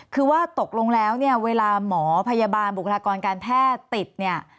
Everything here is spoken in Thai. คือว่าตกลงแล้วเนี่ยเวลาหมอพยาบาลบุคลากรการแพทย์ติดเนี่ย